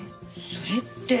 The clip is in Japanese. それって。